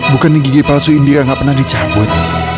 bukannya gigi palsu indira gak pernah dicabut